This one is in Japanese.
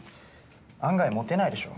案外モテないでしょ？